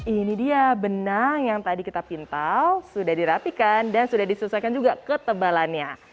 ini dia benang yang tadi kita pintal sudah dirapikan dan sudah diselesaikan juga ketebalannya